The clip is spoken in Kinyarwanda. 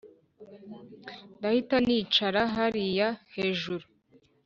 Ndahita nicara hariya hejuru